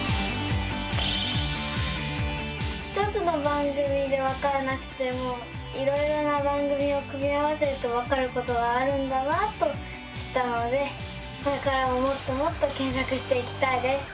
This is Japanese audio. １つの番組でわからなくてもいろいろな番組を組み合わせるとわかることがあるんだなと知ったのでこれからももっともっと検索していきたいです。